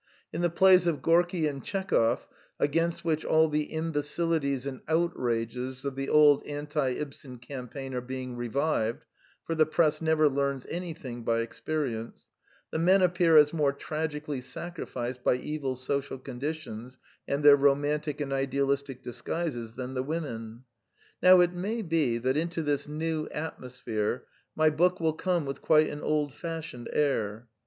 In the plays of Gorki and Tchekov, against which all the imbecilities and outrages of the old anti Ibsen campaign are being revived (for the Press never learns anything by experi ence), the men appear as more tragically sacri ficed by evil social conditions and their romantic and idealistic disguises than the women. Now it may be that into this new atmosphere my book will come with quite an old fashioned air.